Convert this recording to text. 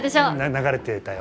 流れてたよ！